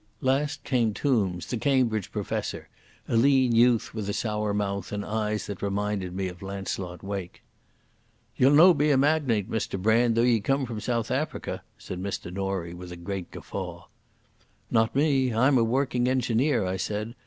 Last came Tombs, the Cambridge professor, a lean youth with a sour mouth and eyes that reminded me of Launcelot Wake. "Ye'll no be a mawgnate, Mr Brand, though ye come from South Africa," said Mr Norie with a great guffaw. "Not me. I'm a working engineer," I said.